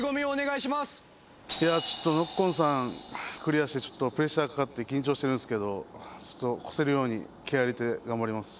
いやちょっとノッコンさんクリアしてちょっとプレッシャーかかって緊張してるんですけどちょっとこせるように気合い入れて頑張ります